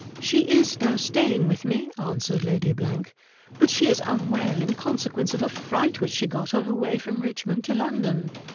'She is now staying with me,' answered Lady ——, 'but she is unwell in consequence of a fright which she got on her way from Richmond to London.